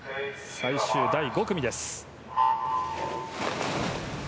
最終第５組です。